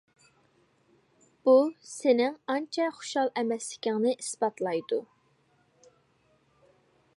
بۇ سېنىڭ ئانچە خۇشال ئەمەسلىكىڭنى ئىسپاتلايدۇ.